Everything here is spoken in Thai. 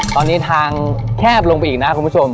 ตอนนี้ทางแคบลงไปอีกนะคุณผู้ชม